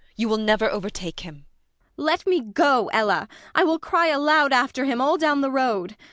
You will never overtake him. MRS. BORKMAN. Let me go, Ella! I will cry aloud after him all down the road.